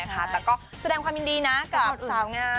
แต่ก็แสดงความยินดีนะกับสาวงาม